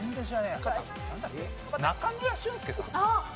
中村俊輔さん？